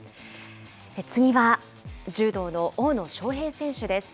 次は柔道の大野将平選手です。